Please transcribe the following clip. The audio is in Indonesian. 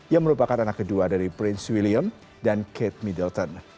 yang merupakan anak kedua dari prince william dan kate middleton